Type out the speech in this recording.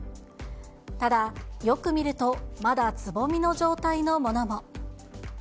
ただ、よく見ると、まだつぼみの状態のものも。